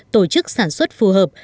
tổ chức sản xuất phù hợp